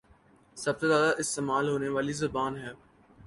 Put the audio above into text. سب سے زیادہ استعمال ہونے والی زبان ہے